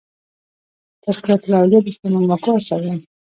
"تذکرةالاولیا" د سلیمان ماکو اثر دﺉ.